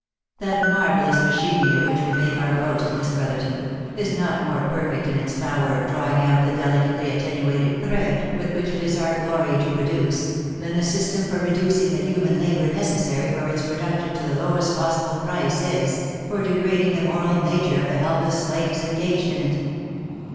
That marvellous ma chinery of which we make our boast, Miss Brotherton, is not more per fect in its power of drawing out the delicately attenuated thread which it is our glory to produce, then the system for reducing the human labour necessary for its production to the lowest possible price is, for degrading the moral nature of the helpless slaves engaged in it."